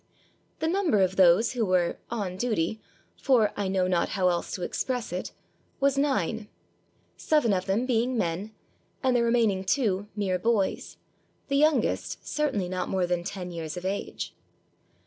The number of those who were "on duty," for I know 576 THE DANCING DERVISHES not how else to express it, was nine ; seven of them being men, and the remaining two, mere boys, the youngest certainly not more than ten years of age.